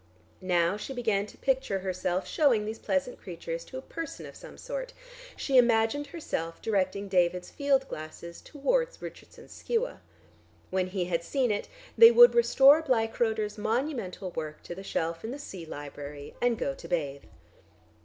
Now she began to picture herself shewing these pleasant creatures to a person of some sort; she imagined herself directing David's field glasses towards Richardson's Skua. When he had seen it, they would restore Bleichroder's monumental work to the shelf in the sea library and go to bathe.